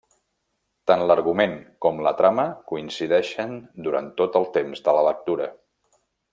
Tant l'argument com la trama coincideixen durant tot el temps de la lectura.